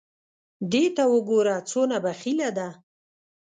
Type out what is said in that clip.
دې ته وګوره څونه بخیله ده !